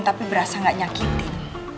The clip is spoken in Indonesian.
tapi berasa gak nyakitin